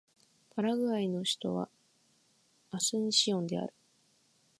パラグアイの首都はアスンシオンである